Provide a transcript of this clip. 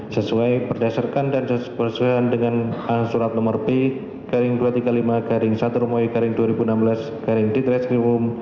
sesuai berdasarkan dan sesuai dengan surat nomor b dua ratus tiga puluh lima satu dua ribu enam belas direkt sektorta